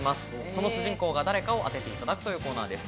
その主人公が誰かを当てていただくというコーナーです。